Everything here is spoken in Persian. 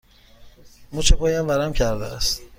مچ پایم ورم کرده است.